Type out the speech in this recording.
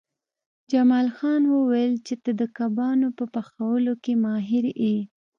جمال خان وویل چې ته د کبابونو په پخولو کې ماهر یې